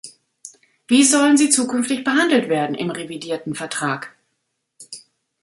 Wie sollen sie zukünftig behandelt werden im revidierten Vertrag?